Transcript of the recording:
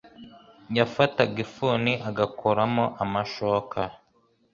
yafataga ifuni agakuramo amashoka,